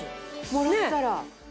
もらったら。